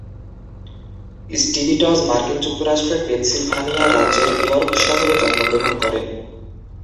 Stibitz মার্কিন যুক্তরাষ্ট্রের Pennsylvania রাজ্যের ইয়র্ক শহরে জন্মগ্রহণ করেন।